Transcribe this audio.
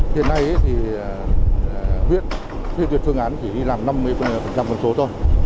hiện nay thì huyết huyết tuyệt phương án chỉ đi làm năm mươi phần số thôi